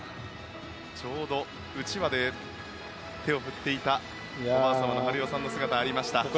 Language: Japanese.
ちょうど、うちわで手を振っていたおばあ様のハルヨさんの姿がありました。